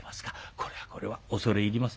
これはこれは恐れ入ります。